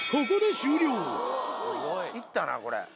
ここで終了いったなこれ。